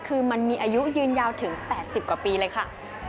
คือมันมีอายุยืนยาวถึง๘๐กว่าปีเลยค่ะ